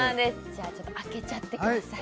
じゃあ開けちゃってください